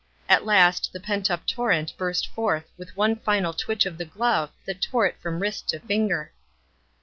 At last the pent up tor rent burst forth with one final twitch of the glove that tore it from wrist to finger.